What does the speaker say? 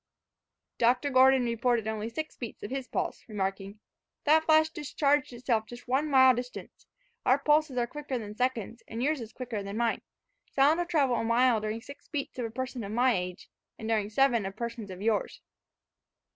Dr. Gordon reported only six beats of his own pulse, remarking, "That flash discharged itself just one mile distant. Our pulses are quicker than seconds; and yours quicker than mine. Sound will travel a mile during six beats of a person of my age, and during seven of persons of yours."